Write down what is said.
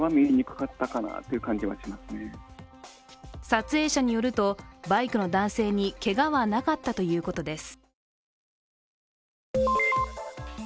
撮影者によると、バイクの男性にけがはなかったということです。